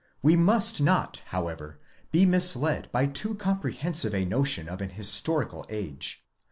We must not however be misled by too comprehensive a notion of an historical age.